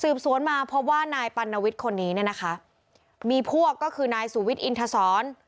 สวนมาพบว่านายปัณวิทย์คนนี้เนี่ยนะคะมีพวกก็คือนายสุวิทย์อินทศร